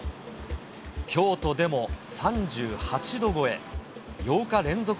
京都でも３８度超え。